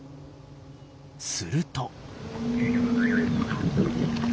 すると。